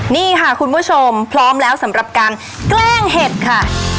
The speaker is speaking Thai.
นี่ค่ะคุณผู้ชมพร้อมแล้วสำหรับการแกล้งเห็ดค่ะ